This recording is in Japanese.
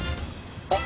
あっ。